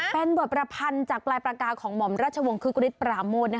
เป็นบรรพันธ์จากปลายปราการของหมอมราชวงศ์คือกุริสต์ปราโมท